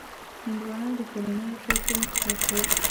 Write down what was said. هندوانه د کورنیو خوږ انتخاب دی.